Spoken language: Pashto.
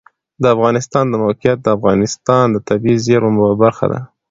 د افغانستان د موقعیت د افغانستان د طبیعي زیرمو برخه ده.